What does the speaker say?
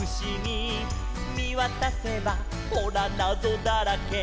「みわたせばほらなぞだらけ」